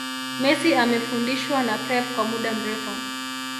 Messi amefundishwa na pep kwa muda mrefu